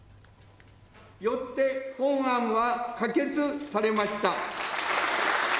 よって本案は可決されました。